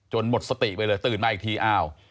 หมดสติไปเลยตื่นมาอีกทีอ้าว